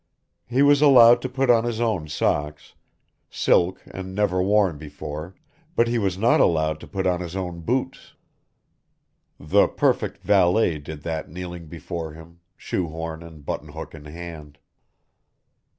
He was allowed to put on his own socks, silk and never worn before, but he was not allowed to put on his own boots. The perfect valet did that kneeling before him, shoe horn and button hook in hand.